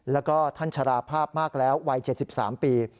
แล้วก็ท่านชราภาพมากแล้ววัย๗๓ปี